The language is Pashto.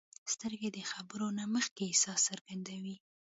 سترګې د خبرو نه مخکې احساس څرګندوي